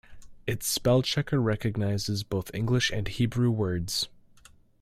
Its spellchecker recognizes both English and Hebrew words.